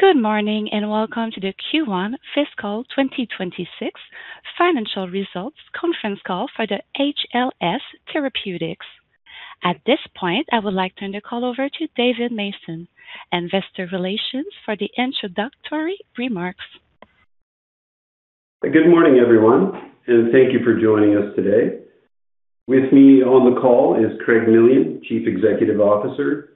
Good morning, and welcome to the Q1 fiscal 2026 financial results conference call for the HLS Therapeutics. At this point, I would like to turn the call over to Dave Mason, investor relations for the introductory remarks. Good morning, everyone, and thank you for joining us today. With me on the call is Craig Millian, Chief Executive Officer;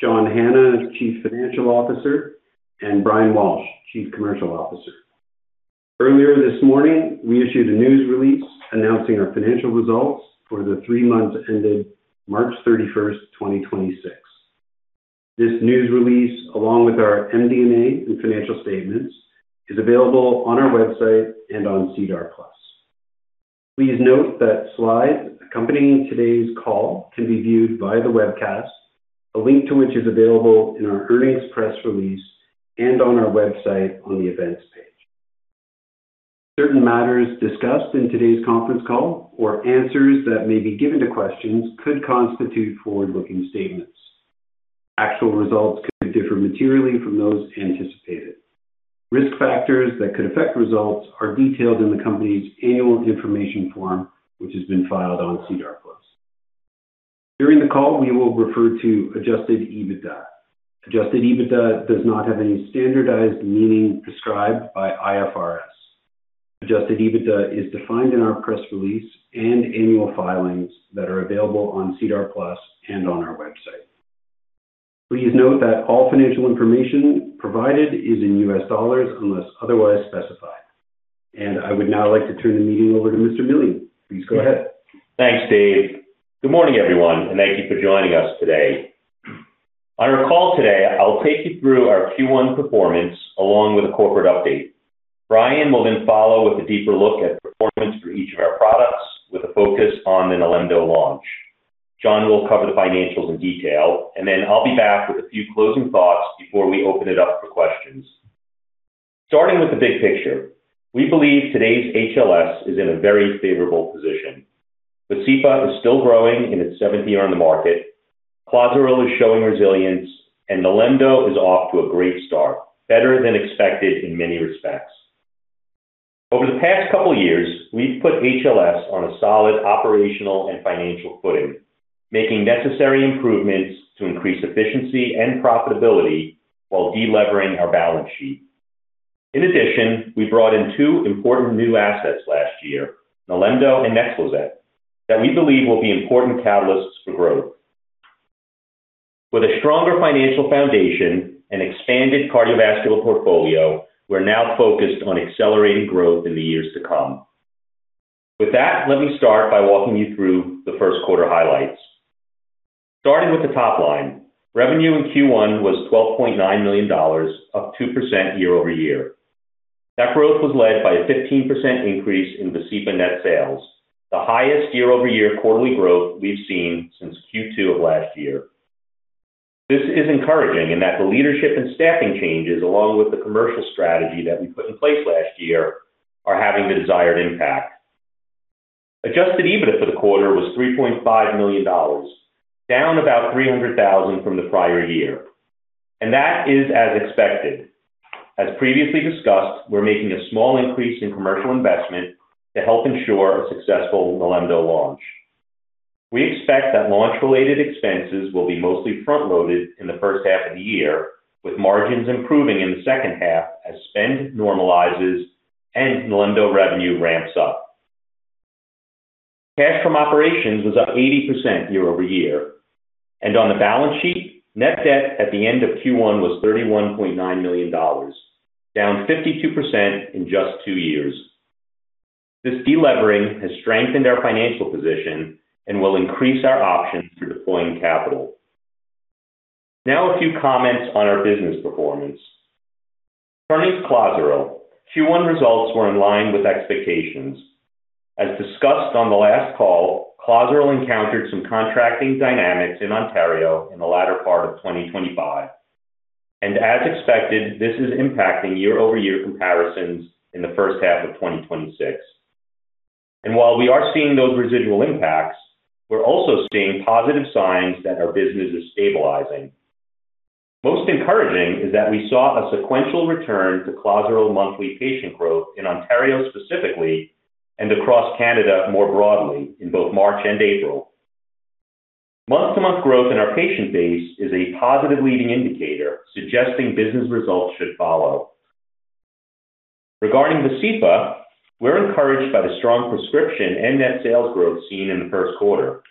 John Hanna, Chief Financial Officer; and Brian Walsh, Chief Commercial Officer. Earlier this morning, we issued a news release announcing our financial results for the three months ended March 31st, 2026. This news release, along with our MD&A and financial statements, is available on our website and on SEDAR+. Please note that slides accompanying today's call can be viewed via the webcast, a link to which is available in our earnings press release and on our website on the Events page. Certain matters discussed in today's conference call or answers that may be given to questions could constitute forward-looking statements. Actual results could differ materially from those anticipated. Risk factors that could affect results are detailed in the company's annual information form, which has been filed on SEDAR+. During the call, we will refer to adjusted EBITDA. Adjusted EBITDA does not have any standardized meaning prescribed by IFRS. Adjusted EBITDA is defined in our press release and annual filings that are available on SEDAR+ and on our website. Please note that all financial information provided is in US dollars unless otherwise specified. I would now like to turn the meeting over to Mr. Millian. Please go ahead. Thanks, Dave. Good morning, everyone, and thank you for joining us today. On our call today, I'll take you through our Q1 performance along with a corporate update. Brian will then follow with a deeper look at performance for each of our products, with a focus on the NILEMDO launch. John will cover the financials in detail, and then I'll be back with a few closing thoughts before we open it up for questions. Starting with the big picture, we believe today's HLS is in a very favorable position. Vascepa is still growing in its seventh year on the market. Clozaril is showing resilience, and NILEMDO is off to a great start, better than expected in many respects. Over the past couple years, we've put HLS on a solid operational and financial footing, making necessary improvements to increase efficiency and profitability while de-levering our balance sheet. In addition, we brought in two important new assets last year, NILEMDO and NEXLETOL, that we believe will be important catalysts for growth. With a stronger financial foundation and expanded cardiovascular portfolio, we're now focused on accelerating growth in the years to come. With that, let me start by walking you through the first quarter highlights. Starting with the top line, revenue in Q1 was 12.9 million dollars, up 2% year-over-year. That growth was led by a 15% increase in Vascepa net sales, the highest year-over-year quarterly growth we've seen since Q2 of last year. This is encouraging in that the leadership and staffing changes, along with the commercial strategy that we put in place last year, are having the desired impact. Adjusted EBITDA for the quarter was 3.5 million dollars, down about 300,000 from the prior year. That is as expected. As previously discussed, we are making a small increase in commercial investment to help ensure a successful NILEMDO launch. We expect that launch-related expenses will be mostly front-loaded in the first half of the year, with margins improving in the second half as spend normalizes and NILEMDO revenue ramps up. Cash from operations was up 80% year-over-year, on the balance sheet, net debt at the end of Q1 was $31.9 million, down 52% in just two years. This delevering has strengthened our financial position and will increase our options for deploying capital. Now a few comments on our business performance. Turning to Clozaril, Q1 results were in line with expectations. As discussed on the last call, Clozaril encountered some contracting dynamics in Ontario in the latter part of 2025. As expected, this is impacting year-over-year comparisons in the first half of 2026. While we are seeing those residual impacts, we're also seeing positive signs that our business is stabilizing. Most encouraging is that we saw a sequential return to Clozaril monthly patient growth in Ontario specifically and across Canada more broadly in both March and April. Month-to-month growth in our patient base is a positive leading indicator, suggesting business results should follow. Regarding Vascepa, we're encouraged by the strong prescription and net sales growth seen in the first quarter.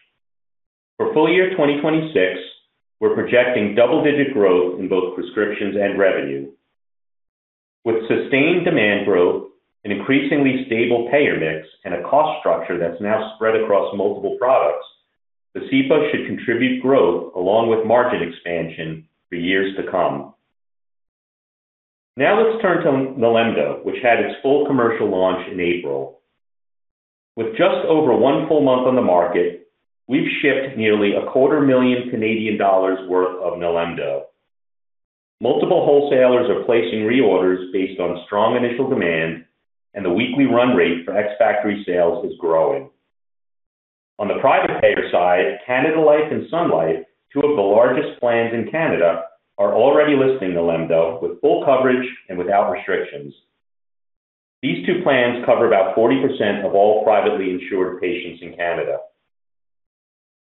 For full-year 2026, we're projecting double-digit growth in both prescriptions and revenue. With sustained demand growth, an increasingly stable payer mix, and a cost structure that's now spread across multiple products, Vascepa should contribute growth along with margin expansion for years to come. Now let's turn to NILEMDO, which had its full commercial launch in April. With just over one full month on the market, we've shipped nearly a quarter million CAD worth of NILEMDO. Multiple wholesalers are placing reorders based on strong initial demand, and the weekly run rate for ex-factory sales is growing. On the private payer side, Canada Life and Sun Life, two of the largest plans in Canada, are already listing NILEMDO with full coverage and without restrictions. These two plans cover about 40% of all privately insured patients in Canada.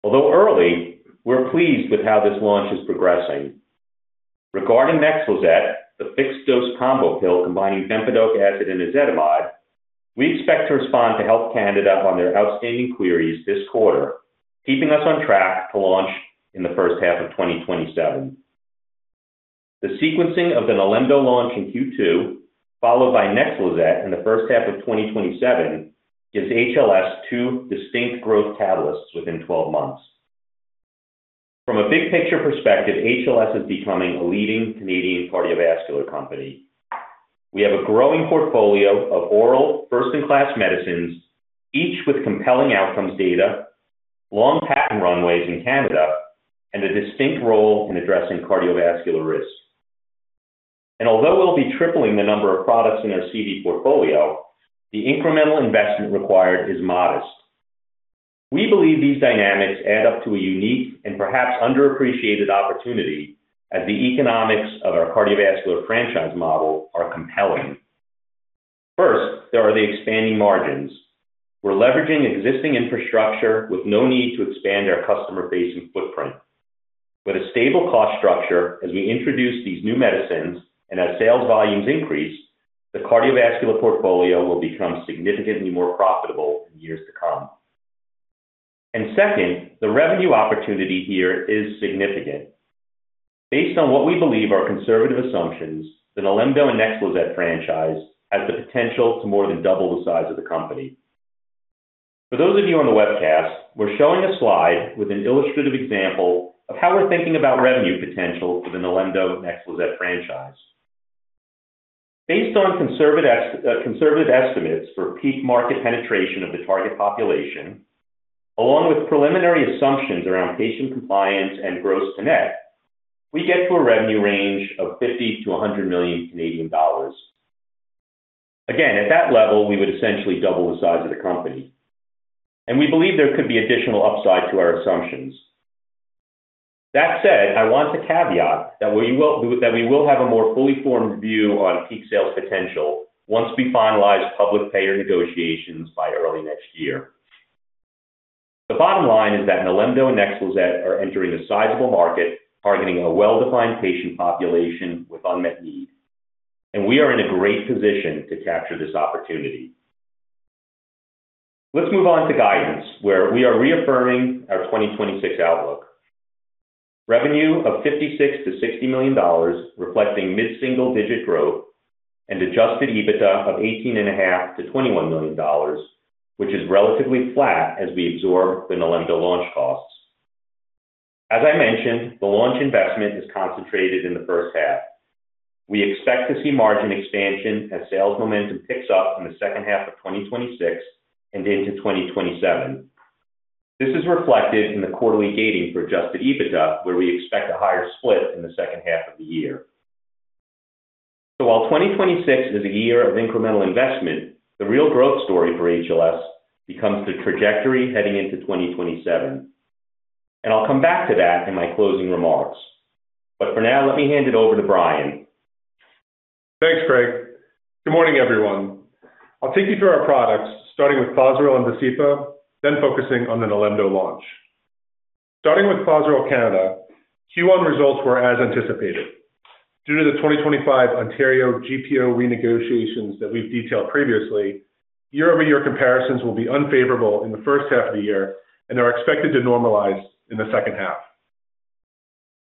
Although early, we're pleased with how this launch is progressing. Regarding NEXLETOL, the fixed-dose combo pill combining bempedoic acid and ezetimibe, we expect to respond to Health Canada on their outstanding queries this quarter, keeping us on track to launch in the first half of 2027. The sequencing of the NILEMDO launch in Q2, followed by NEXLETOL in the first half of 2027, gives HLS two distinct growth catalysts within 12 months. From a big-picture perspective, HLS is becoming a leading Canadian cardiovascular company. We have a growing portfolio of oral first-in-class medicines, each with compelling outcomes data, long patent runways in Canada, and a distinct role in addressing cardiovascular risk. Although we'll be tripling the number of products in our CV portfolio, the incremental investment required is modest. We believe these dynamics add up to a unique and perhaps underappreciated opportunity as the economics of our cardiovascular franchise model are compelling. First, there are the expanding margins. We're leveraging existing infrastructure with no need to expand our customer-facing footprint. With a stable cost structure, as we introduce these new medicines and as sales volumes increase, the cardiovascular portfolio will become significantly more profitable in years to come. Second, the revenue opportunity here is significant. Based on what we believe are conservative assumptions, the NILEMDO and NEXLETOL franchise has the potential to more than double the size of the company. For those of you on the webcast, we're showing a slide with an illustrative example of how we're thinking about revenue potential for the NILEMDO NEXLETOL franchise. Based on conservative estimates for peak market penetration of the target population, along with preliminary assumptions around patient compliance and gross to net, we get to a revenue range of 50 million-100 million Canadian dollars. Again, at that level, we would essentially double the size of the company, and we believe there could be additional upside to our assumptions. That said, I want to caveat that we will have a more fully formed view on peak sales potential once we finalize public payer negotiations by early next year. The bottom line is that NILEMDO and NEXLETOL are entering a sizable market, targeting a well-defined patient population with unmet need, and we are in a great position to capture this opportunity. Let's move on to guidance, where we are reaffirming our 2026 outlook. Revenue of $56 million-$60 million, reflecting mid-single-digit growth, and adjusted EBITDA of $18.5 million-$21 million, which is relatively flat as we absorb the NILEMDO launch costs. As I mentioned, the launch investment is concentrated in the first half. We expect to see margin expansion as sales momentum picks up in the second half of 2026 and into 2027. This is reflected in the quarterly gating for adjusted EBITDA, where we expect a higher split in the second half of the year. While 2026 is a year of incremental investment, the real growth story for HLS becomes the trajectory heading into 2027. I'll come back to that in my closing remarks. For now, let me hand it over to Brian. Thanks, Craig. Good morning, everyone. I'll take you through our products, starting with Clozaril and Vascepa, then focusing on the NILEMDO launch. Starting with Clozaril Canada, Q1 results were as anticipated. Due to the 2025 Ontario GPO renegotiations that we've detailed previously, year-over-year comparisons will be unfavorable in the 1st half of the year and are expected to normalize in the second half.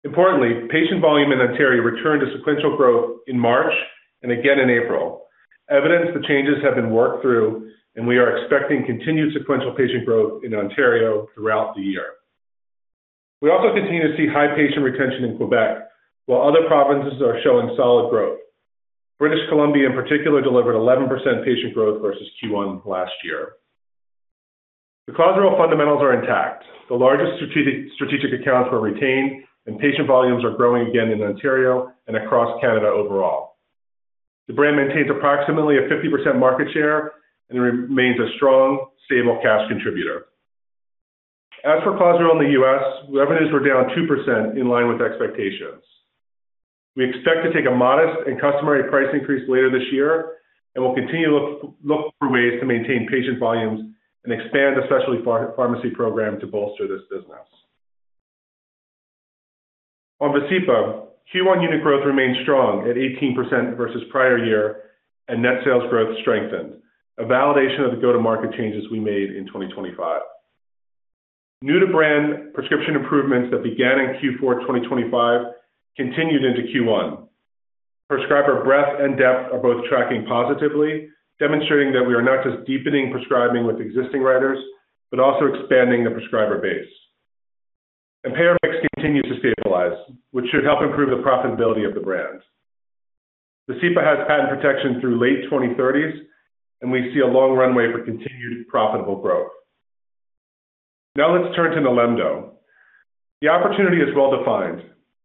Importantly, patient volume in Ontario returned to sequential growth in March and again in April, evidence that changes have been worked through. We are expecting continued sequential patient growth in Ontario throughout the year. We also continue to see high patient retention in Quebec, while other provinces are showing solid growth. British Columbia, in particular, delivered 11% patient growth versus Q1 last year. The Clozaril fundamentals are intact. The largest strategic accounts were retained, and patient volumes are growing again in Ontario and across Canada overall. The brand maintains approximately a 50% market share and remains a strong, stable cash contributor. As for Clozaril in the U.S., revenues were down 2% in line with expectations. We expect to take a modest and customary price increase later this year, we'll continue to look for ways to maintain patient volumes and expand the specialty pharmacy program to bolster this business. On Vascepa, Q1 unit growth remained strong at 18% versus prior year and net sales growth strengthened, a validation of the go-to-market changes we made in 2025. New to brand prescription improvements that began in Q4 2025 continued into Q1. Prescriber breadth and depth are both tracking positively, demonstrating that we are not just deepening prescribing with existing writers, but also expanding the prescriber base. Payer mix continues to stabilize, which should help improve the profitability of the brand. Vascepa has patent protection through late 2030s, and we see a long runway for continued profitable growth. Now let's turn to NILEMDO. The opportunity is well-defined.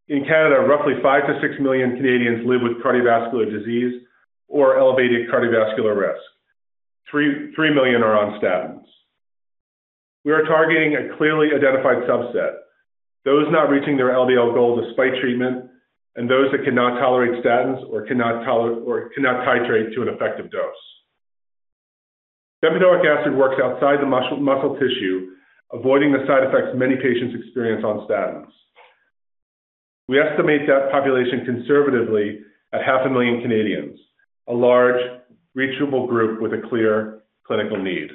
In Canada, roughly 5 - 6 million Canadians live with cardiovascular disease or elevated cardiovascular risk. 3 million are on statins. We are targeting a clearly identified subset, those not reaching their LDL goal despite treatment and those that cannot tolerate statins or cannot titrate to an effective dose. bempedoic acid works outside the muscle tissue, avoiding the side effects many patients experience on statins. We estimate that population conservatively at half a million Canadians, a large reachable group with a clear clinical need.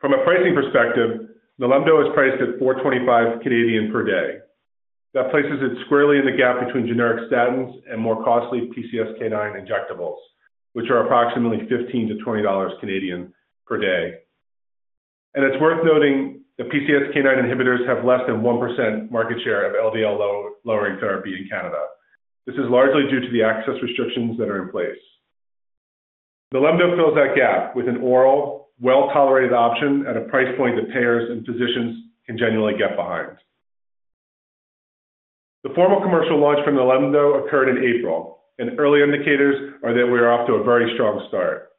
From a pricing perspective, NILEMDO is priced at 4.25 per day. That places it squarely in the gap between generic statins and more costly PCSK9 injectables, which are approximately 15-20 dollars per day. It's worth noting that PCSK9 inhibitors have less than 1% market share of LDL low-lowering therapy in Canada. This is largely due to the access restrictions that are in place. NILEMDO fills that gap with an oral, well-tolerated option at a price point that payers and physicians can genuinely get behind. The formal commercial launch for NILEMDO occurred in April, and early indicators are that we are off to a very strong start.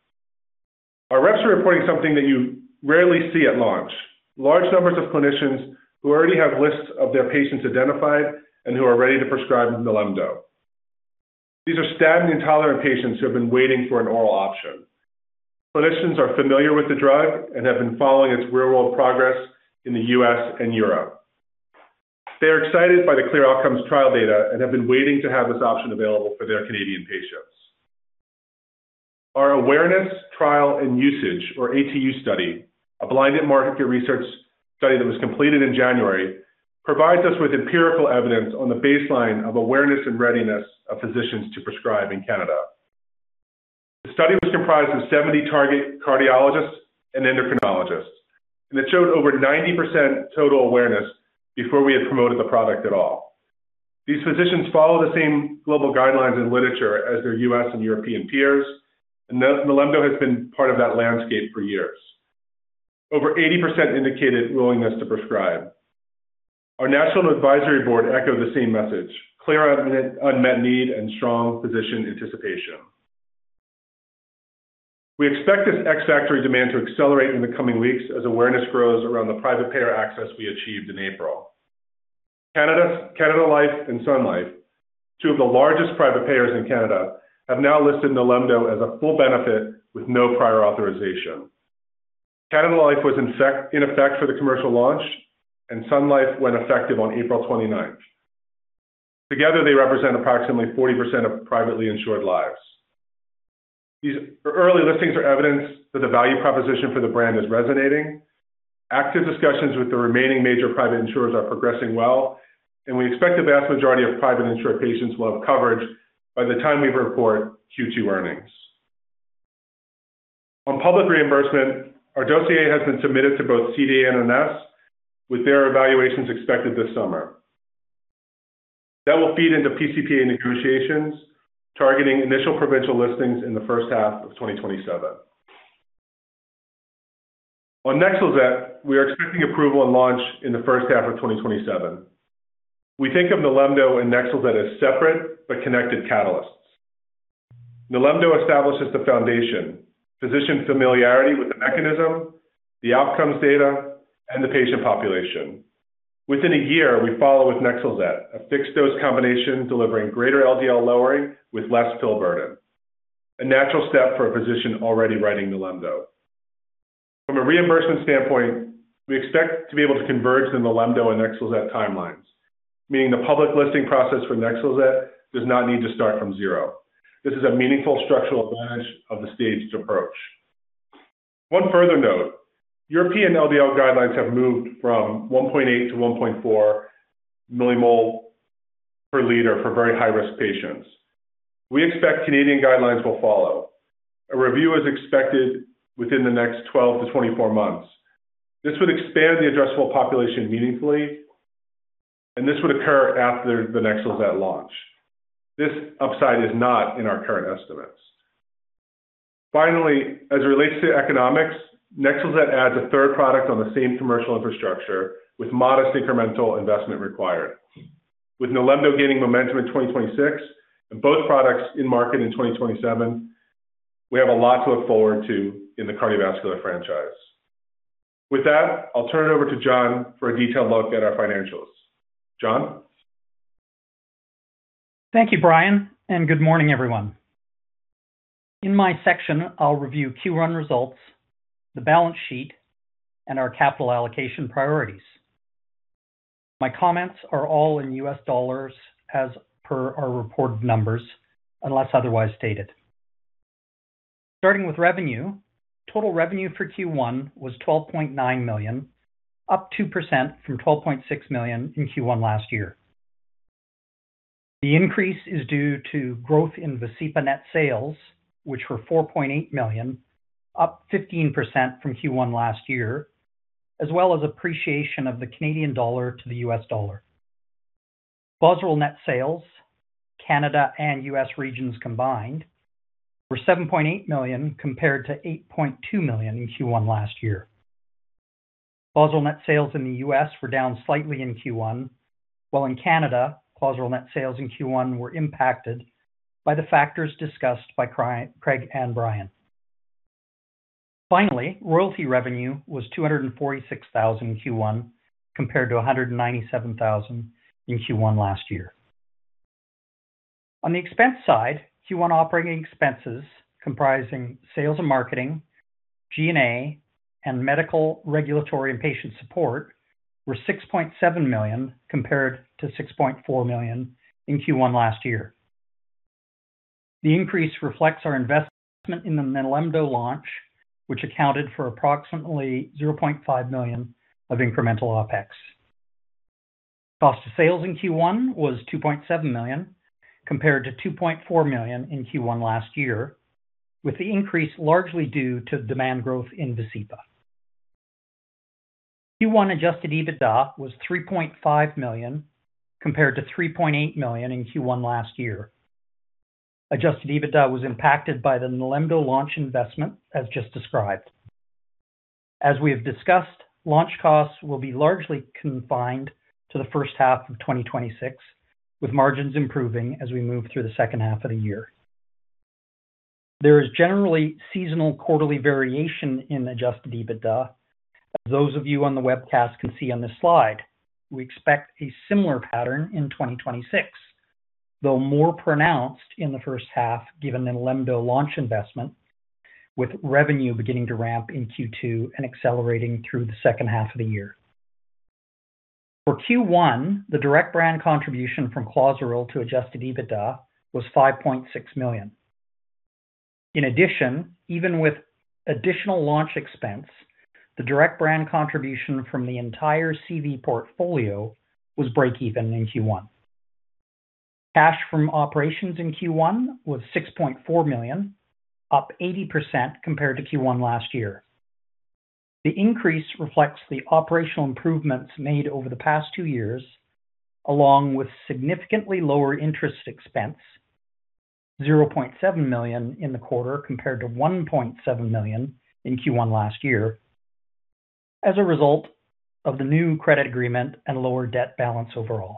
Our reps are reporting something that you rarely see at launch. Large numbers of clinicians who already have lists of their patients identified and who are ready to prescribe NILEMDO. These are statin-intolerant patients who have been waiting for an oral option. Clinicians are familiar with the drug and have been following its real-world progress in the U.S. and Europe. They are excited by the clear outcomes trial data and have been waiting to have this option available for their Canadian patients. Our awareness, trial, and usage or ATU study, a blind market research study that was completed in January, provides us with empirical evidence on the baseline of awareness and readiness of physicians to prescribe in Canada. The study was comprised of 70 target cardiologists and endocrinologists, and it showed over 90% total awareness before we had promoted the product at all. These physicians follow the same global guidelines and literature as their U.S. and European peers, and NILEMDO has been part of that landscape for years. Over 80% indicated willingness to prescribe. Our national advisory board echoed the same message, clear unmet need and strong physician anticipation. We expect this ex-factory demand to accelerate in the coming weeks as awareness grows around the private payer access we achieved in April. Canada Life and Sun Life, two of the largest private payers in Canada, have now listed NILEMDO as a full benefit with no prior authorization. Canada Life was in effect for the commercial launch, and Sun Life went effective on April 29th. Together, they represent approximately 40% of privately insured lives. These early listings are evidence that the value proposition for the brand is resonating. Active discussions with the remaining major private insurers are progressing well, and we expect the vast majority of private insured patients will have coverage by the time we report Q2 earnings. On public reimbursement, our dossier has been submitted to both CADTH and INESSS, with their evaluations expected this summer. That will feed into pCPA negotiations, targeting initial provincial listings in the first half of 2027. On NEXLETOL, we are expecting approval and launch in the first half of 2027. We think of NILEMDO and NEXLETOL as separate but connected catalysts. NILEMDO establishes the foundation, physician familiarity with the mechanism, the outcomes data, and the patient population. Within a year, we follow with NEXLETOL, a fixed-dose combination delivering greater LDL lowering with less pill burden, a natural step for a physician already writing NILEMDO. From a reimbursement standpoint, we expect to be able to converge the NILEMDO and NEXLETOL timelines, meaning the public listing process for NEXLETOL does not need to start from zero. This is a meaningful structural advantage of the staged approach. One further note, European LDL guidelines have moved from 1.8- 1.4 mmol/L for very high-risk patients. We expect Canadian guidelines will follow. A review is expected within the next 12-24 months. This would expand the addressable population meaningfully, and this would occur after the NEXLETOL launch. This upside is not in our current estimates. Finally, as it relates to economics, NEXLETOL adds a third product on the same commercial infrastructure with modest incremental investment required. With NILEMDO gaining momentum in 2026 and both products in market in 2027, we have a lot to look forward to in the cardiovascular franchise. With that, I'll turn it over to John for a detailed look at our financials. John? Thank you, Brian. Good morning, everyone. In my section, I'll review Q1 results, the balance sheet, and our capital allocation priorities. My comments are all in US dollars as per our reported numbers, unless otherwise stated. Starting with revenue, total revenue for Q1 was $12.9 million, up 2% from $12.6 million in Q1 last year. The increase is due to growth in Vascepa net sales, which were $4.8 million, up 15% from Q1 last year, as well as appreciation of the Canadian dollar to the US dollar. Clozaril net sales, Canada and U.S. regions combined, were $7.8 million compared to $8.2 million in Q1 last year. Clozaril net sales in the U.S. were down slightly in Q1, while in Canada, Clozaril net sales in Q1 were impacted by the factors discussed by Craig and Brian. Finally, royalty revenue was 246,000 in Q1 compared to 197 thousand in Q1 last year. On the expense side, Q1 operating expenses comprising sales and marketing, G&A, and medical, regulatory, and patient support, were 6.7 million compared to 6.4 million in Q1 last year. The increase reflects our investment in the NILEMDO launch, which accounted for approximately 0.5 million of incremental OpEx. Cost of sales in Q1 was 2.7 million, compared to 2.4 million in Q1 last year, with the increase largely due to demand growth in Vascepa. Q1 adjusted EBITDA was 3.5 million, compared to 3.8 million in Q1 last year. Adjusted EBITDA was impacted by the NILEMDO launch investment, as just described. As we have discussed, launch costs will be largely confined to the first half of 2026, with margins improving as we move through the second half of the year. There is generally seasonal quarterly variation in adjusted EBITDA, as those of you on the webcast can see on this slide. We expect a similar pattern in 2026, though more pronounced in the first half given the NILEMDO launch investment, with revenue beginning to ramp in Q2 and accelerating through the second half of the year. For Q1, the direct brand contribution from Clozaril to adjusted EBITDA was 5.6 million. In addition, even with additional launch expense, the direct brand contribution from the entire CV portfolio was breakeven in Q1. Cash from operations in Q1 was 6.4 million, up 80% compared to Q1 last year. The increase reflects the operational improvements made over the past two years, along with significantly lower interest expense, $0.7 million in the quarter, compared to $1.7 million in Q1 last year, as a result of the new credit agreement and lower debt balance overall.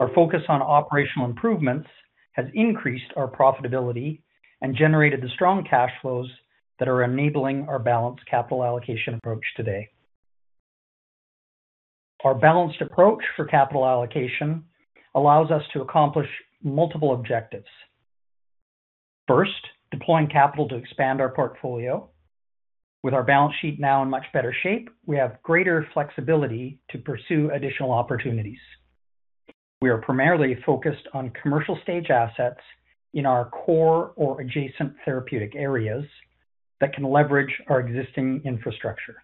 Our focus on operational improvements has increased our profitability and generated the strong cash flows that are enabling our balanced capital allocation approach today. Our balanced approach for capital allocation allows us to accomplish multiple objectives. First, deploying capital to expand our portfolio. With our balance sheet now in much better shape, we have greater flexibility to pursue additional opportunities. We are primarily focused on commercial stage assets in our core or adjacent therapeutic areas that can leverage our existing infrastructure.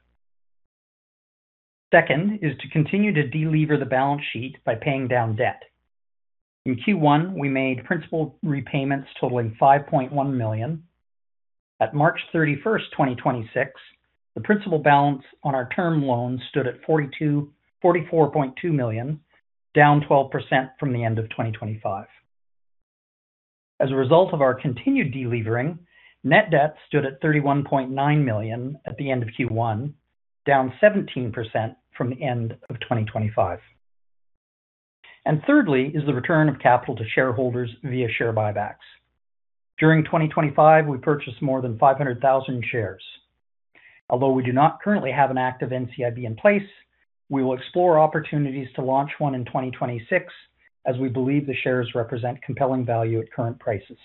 Second is to continue to delever the balance sheet by paying down debt. In Q1, we made principal repayments totaling $5.1 million. At March 31, 2026, the principal balance on our term loans stood at $44.2 million, down 12% from the end of 2025. As a result of our continued delevering, net debt stood at $31.9 million at the end of Q1, down 17% from the end of 2025. Thirdly is the return of capital to shareholders via share buybacks. During 2025, we purchased more than 500,000 shares. Although we do not currently have an active NCIB in place, we will explore opportunities to launch one in 2026, as we believe the shares represent compelling value at current prices.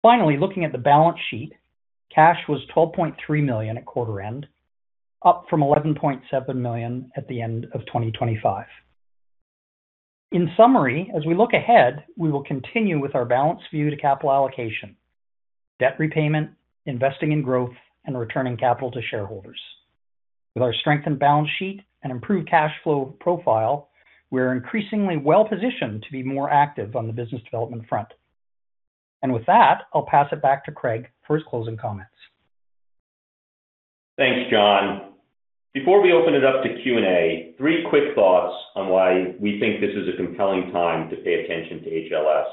Finally, looking at the balance sheet, cash was $12.3 million at quarter end, up from $11.7 million at the end of 2025. In summary, as we look ahead, we will continue with our balanced view to capital allocation, debt repayment, investing in growth, and returning capital to shareholders. With our strengthened balance sheet and improved cash flow profile, we are increasingly well-positioned to be more active on the business development front. With that, I'll pass it back to Craig for his closing comments. Thanks, John. Before we open it up to Q&A, three quick thoughts on why we think this is a compelling time to pay attention to HLS.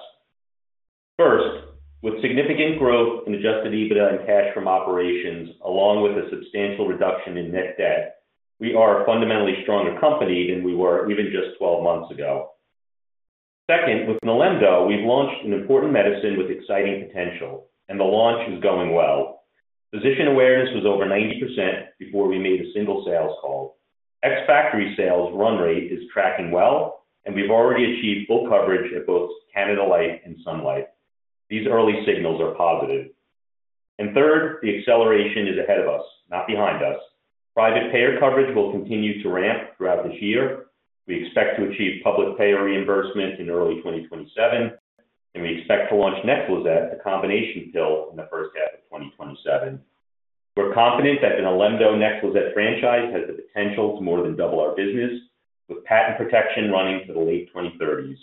First, with significant growth in adjusted EBITDA and cash from operations, along with a substantial reduction in net debt, we are a fundamentally stronger company than we were even just 12 months ago. Second, with NILEMDO, we've launched an important medicine with exciting potential. The launch is going well. Physician awareness was over 90% before we made one sales call. Ex-factory sales run rate is tracking well. We've already achieved full coverage at both Canada Life and Sun Life. These early signals are positive. Third, the acceleration is ahead of us, not behind us. Private payer coverage will continue to ramp throughout this year. We expect to achieve public payer reimbursement in early 2027, and we expect to launch NEXLIZET, the combination pill, in the first half of 2027. We're confident that the NILEMDO NEXLIZET franchise has the potential to more than double our business, with patent protection running to the late 2030s.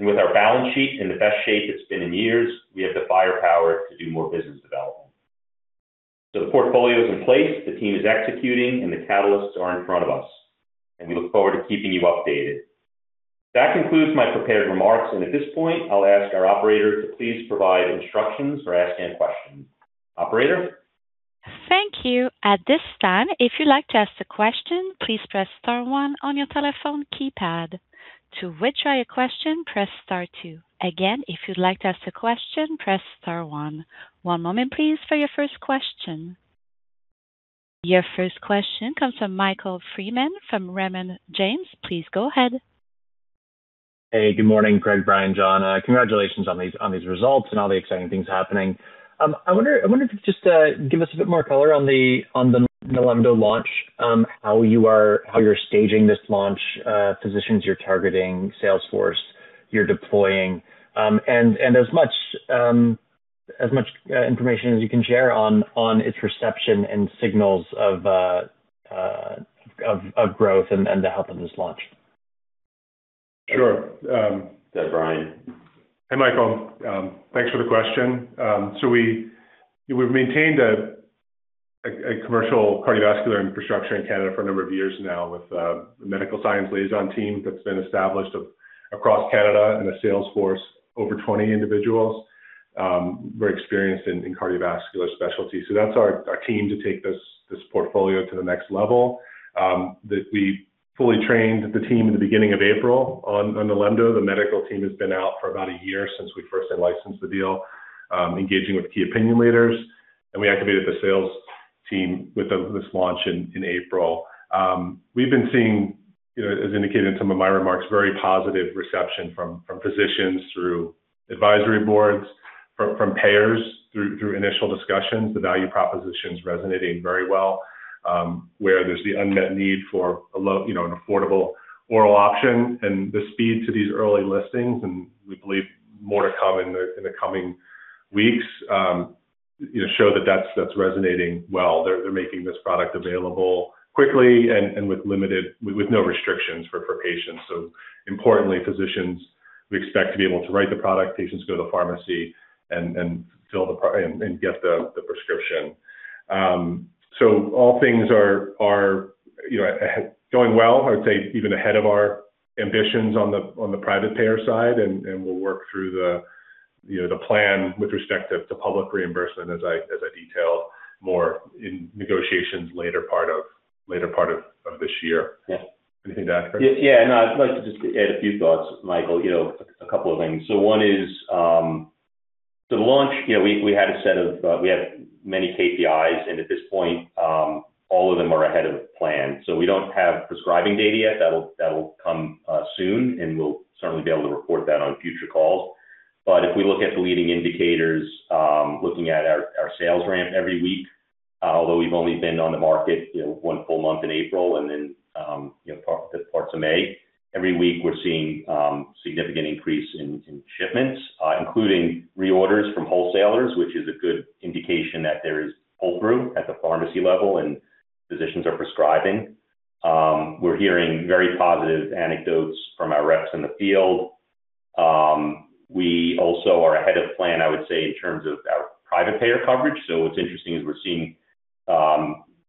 With our balance sheet in the best shape it's been in years, we have the firepower to do more business development. The portfolio is in place, the team is executing, and the catalysts are in front of us, and we look forward to keeping you updated. That concludes my prepared remarks, and at this point, I'll ask our operator to please provide instructions for asking questions. Operator? Thank you. At this time, if you'd like to ask a question, please press star one on your telephone keypad. To withdraw your question, press star two. Again, if you'd like to ask a question, press star one. One moment, please, for your first question. Your first question comes from Michael Freeman from Raymond James. Please go ahead. Hey, good morning, Craig, Brian, John. Congratulations on these results and all the exciting things happening. I wonder if you could just give us a bit more color on the NILEMDO launch, how you're staging this launch, physicians you're targeting, sales force you're deploying. And as much information as you can share on its reception and signals of growth and the health of this launch. Sure. Go Brian. Hey, Michael. Thanks for the question. We've maintained a commercial cardiovascular infrastructure in Canada for a number of years now with the medical science liaison team that's been established across Canada and a sales force over 20 individuals, very experienced in cardiovascular specialties. That's our team to take this portfolio to the next level. We fully trained the team in the beginning of April on NILEMDO. The medical team has been out for about a year since we first had licensed the deal, engaging with key opinion leaders. We activated the sales team with this launch in April. We've been seeing, you know, as indicated in some of my remarks, very positive reception from physicians through advisory boards, from payers through initial discussions. The value proposition's resonating very well, where there's the unmet need for a low, you know, an affordable oral option and the speed to these early listings, and we believe more to come in the coming weeks, you know, show that that's resonating well. They're making this product available quickly and with no restrictions for patients. Importantly, physicians, we expect to be able to write the product, patients go to the pharmacy and get the prescription. All things are, you know, going well. I would say even ahead of our ambitions on the private payer side, and we'll work through the, you know, the plan with respect to public reimbursement as I detail more in negotiations later part of this year. Yeah. Anything to add, Craig? No, I'd like to just add a few thoughts, Michael. You know, a couple of things. One is, you know, we had a set of, we had many KPIs, and at this point, all of them are ahead of plan. We don't have prescribing data yet. That'll come soon, and we'll certainly be able to report that on future calls. If we look at the leading indicators, looking at our sales ramp every week, although we've only been on the market, you know, one full month in April and then, you know, parts of May, every week we're seeing significant increase in shipments, including reorders from wholesalers, which is a good indication that there is pull-through at the pharmacy level and physicians are prescribing. We're hearing very positive anecdotes from our reps in the field. We also are ahead of plan, I would say, in terms of our private payer coverage. What's interesting is we're seeing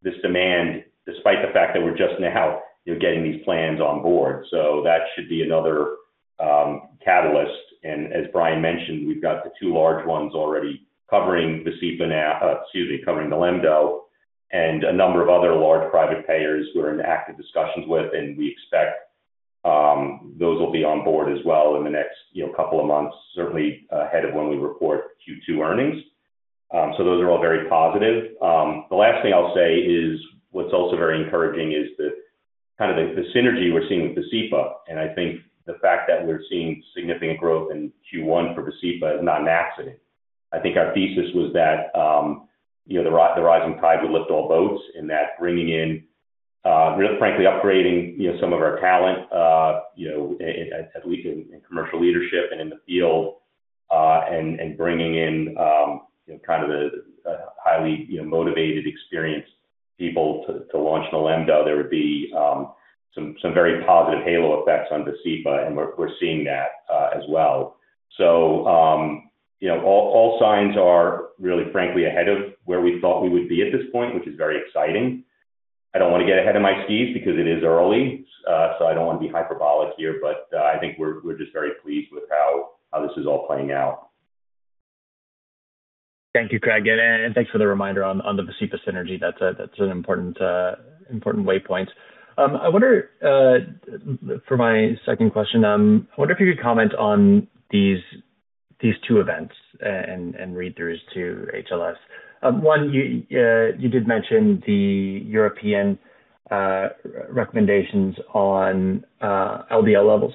this demand despite the fact that we're just now, you know, getting these plans on board. That should be another catalyst. As Brian mentioned, we've got thetwo large ones already covering Vascepa now, excuse me, covering NILEMDO, and a number of other large private payers who we're in active discussions with, and we expect those will be on board as well in the next, you know, couple of months, certainly ahead of when we report Q2 earnings. Those are all very positive. The last thing I'll say is, what's also very encouraging is the kind of the synergy we're seeing with Vascepa. I think the fact that we're seeing significant growth in Q1 for Vascepa is not an accident. I think our thesis was that, you know, the rising tide will lift all boats, and that bringing in, really frankly upgrading, you know, some of our talent in commercial leadership and in the field, and bringing in, you know, kind of a highly, you know, motivated, experienced people to launch NILEMDO, there would be some very positive halo effects on Vascepa, and we're seeing that as well. All signs are really frankly ahead of where we thought we would be at this point, which is very exciting. I don't wanna get ahead of my skis because it is early, so I don't wanna be hyperbolic here, but I think we're just very pleased with how this is all playing out. Thank you, Craig, and thanks for the reminder on the Vascepa synergy. That's an important way point. I wonder, for my second question, I wonder if you could comment on these two events and read-throughs to HLS. One, you did mention the European recommendations on LDL levels.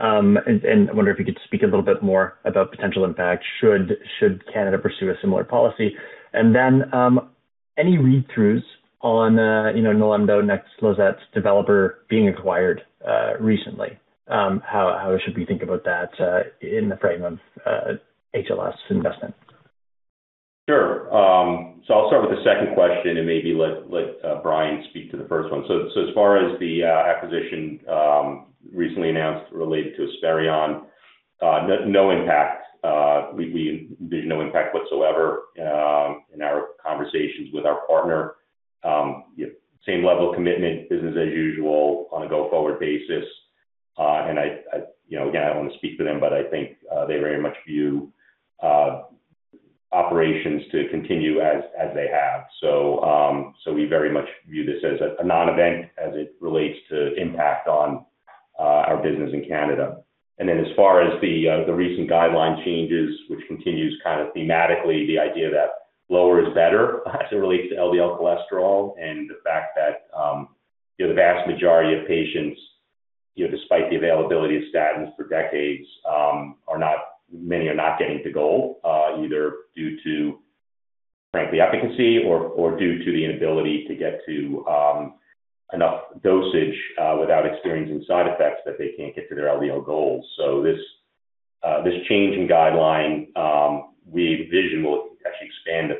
I wonder if you could speak a little bit more about potential impact should Canada pursue a similar policy. Then, any read-throughs on, you know, NILEMDO, NEXLIZET's developer being acquired recently? How should we think about that in the frame of HLS investment? Sure. I'll start with the second question and maybe let Brian speak to the first one. As far as the acquisition recently announced related to Esperion, no impact. There's no impact whatsoever in our conversations with our partner. Same level of commitment, business as usual on a go-forward basis. I, you know, again, I don't want to speak for them, but I think they very much view operations to continue as they have. We very much view this as a non-event as it relates to impact on our business in Canada. As far as the recent guideline changes, which continues kind of thematically the idea that lower is better as it relates to LDL cholesterol and the fact that, you know, the vast majority of patients, you know, despite the availability of statins for decades, many are not getting to goal either due to, frankly, efficacy or due to the inability to get to enough dosage without experiencing side effects that they can't get to their LDL goals. This change in guideline, we envision will actually expand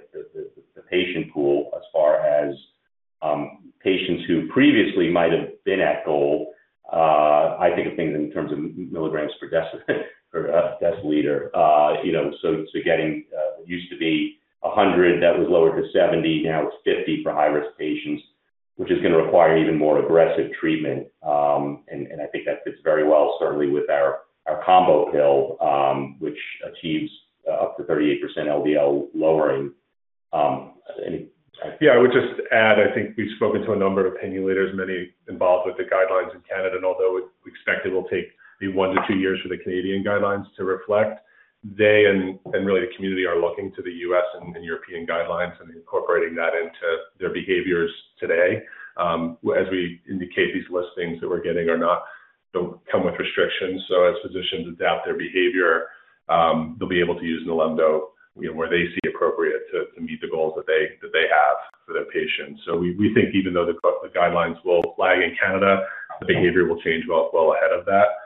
the patient pool as far as patients who previously might have been at goal. I think of things in terms of milligrams per deciliter. You know, so getting, used to be 100, that was lowered to 70, now it's 50 for high-risk patients, which is gonna require even more aggressive treatment. I think that fits very well certainly with our combo pill, which achieves up to 38% LDL lowering. Yeah, I would just add, I think we've spoken to a number of opinion leaders, many involved with the guidelines in Canada. Although we expect it will take maybe one to two years for the Canadian guidelines to reflect, they and really the community are looking to the U.S. and European guidelines and incorporating that into their behaviors today. As we indicate, these listings that we're getting don't come with restrictions. As physicians adapt their behavior, they'll be able to use NILEMDO, you know, where they see appropriate to meet the goals that they have for their patients. We think even though the guidelines will lag in Canada, the behavior will change well ahead of that.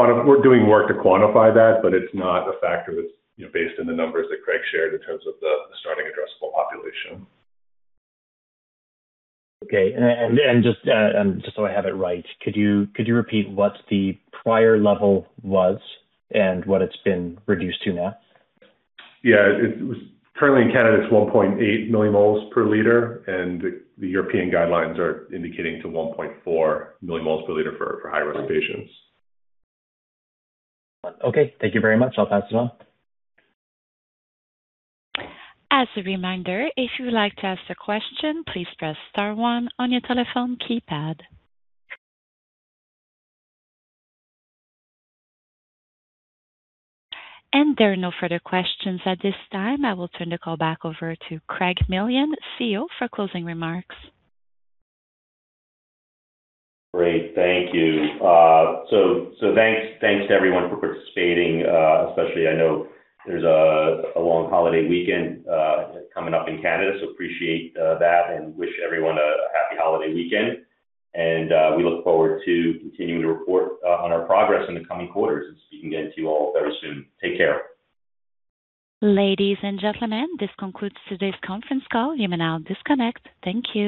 You know, we're doing work to quantify that, but it's not a factor that's, you know, based on the numbers that Craig Millian shared in terms of the starting addressable population. Okay. Just so I have it right, could you repeat what the prior level was and what it's been reduced to now? Yeah. It was currently in Canada, it's 1.8 mmol/L, the European guidelines are indicating to 1.4 mmol/L for high-risk patients. Okay. Thank you very much. I'll pass it on. As a reminder, if you would like to ask a question, please press star one on your telephone keypad. There are no further questions at this time. I will turn the call back over to Craig Millian, CEO, for closing remarks. Great. Thank you. Thanks to everyone for participating, especially I know there's a long holiday weekend coming up in Canada. Appreciate that and wish everyone a happy holiday weekend. We look forward to continuing to report on our progress in the coming quarters and speaking again to you all very soon. Take care. Ladies and gentlemen, this concludes today's conference call. You may now disconnect. Thank you.